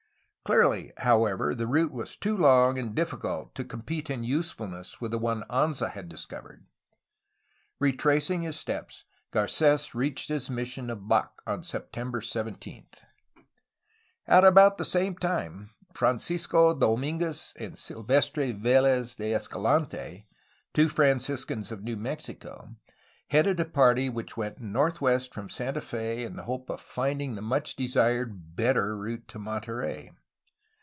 Clearly, however, the route was too long and difficult to compete in usefulness with the one Anza had discovered. Retracing his steps, Garc6s reached his mission of Bac on September 17. At about the same time, Francisco Domfnguez and Sil vestre Velez de Escalante, two Franciscans of New Mexico, headed a party which went northwest from Santa Fe in the hope of finding the much desired better route to Monterey.